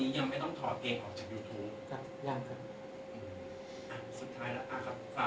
สุดท้ายแล้วฝากบอกครูเขาอาจจะดูอย่างนี้